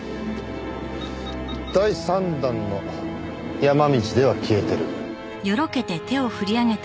第３弾の山道では消えてる。